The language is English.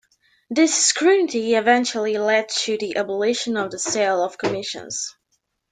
This scrutiny eventually led to the abolition of the sale of commissions.